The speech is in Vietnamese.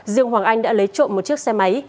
riêng hoàng anh đã lấy trộm một chiếc xe máy